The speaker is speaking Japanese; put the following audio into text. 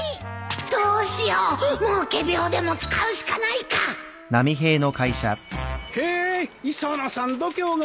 どうしようもう仮病でも使うしかないかへ磯野さん度胸がありますね。